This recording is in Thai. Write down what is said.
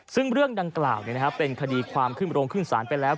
ซึ่งเรื่องดังกล่าวเป็นคดีความขึ้นโรงขึ้นศาลไปแล้ว